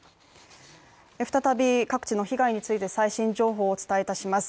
再び、各地の被害について最新情報をお伝えします。